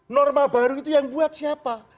norma baru itu yang buat siapa